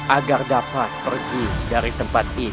agar dapat pergi dari tempat ini